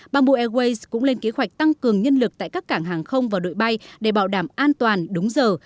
bamboo airways cũng lên kế hoạch tăng cường nhân lực tại các cảng hàng không và đội bay để bảo đảm an toàn đúng giờ